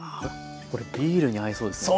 これビールに合いそうですね。